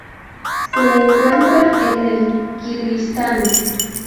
Se encuentra en el Kirguistán.